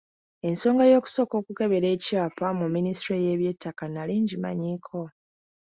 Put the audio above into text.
Ensonga y’okusooka okukebera ekyapa mu minisitule y'eby'ettaka nali ngimanyiiko.